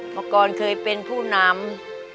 เมื่อก่อนเคยเป็นผู้นำ